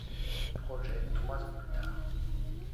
Project trois ans plus tard.